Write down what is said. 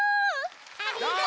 ありがとち！